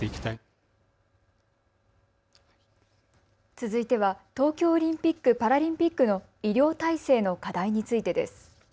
続いては東京オリンピック・パラリンピックの医療体制の課題についてです。